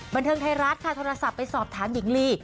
บันเทิงไทยรัฐค่ะโทรศัพท์ไปสอบถามหญิงลี